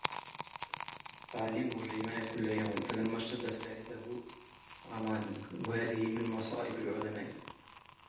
أُعَلِّمُهُ الرِّمَايَةَ كُلَّ يَوْمٍ فَلَمَّا اشْتَدَّ سَاعِدُهُ رَمَانِي وَهَذِهِ مِنْ مَصَائِبِ الْعُلَمَاءِ